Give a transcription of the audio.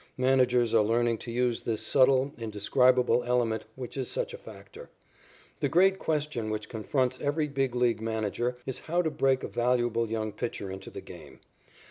Managers are learning to use this subtle, indescribable element which is such a factor. The great question which confronts every Big League manager is how to break a valuable young pitcher into the game.